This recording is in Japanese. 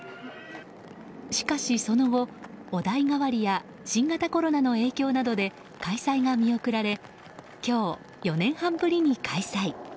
しかしその後、お代替わりや新型コロナの影響などで開催が見送られ今日、４年半ぶりに開催。